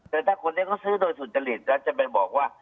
แต่ถ้าคนนี้เขาซื้อโดยสุจริตแล้วจะไปบอกว่า